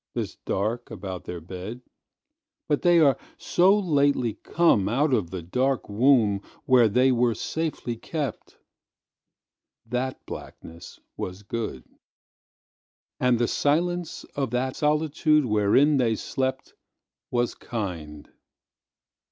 —This dark about their bed? But they are so lately comeOut of the dark wombWhere they were safely kept. That blackness was good; And the silence of that solitudeWherein they sleptWas kind.